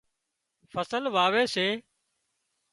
فصل واوي سي